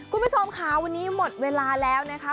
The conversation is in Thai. คุณผู้ชมค่ะวันนี้หมดเวลาแล้วนะคะ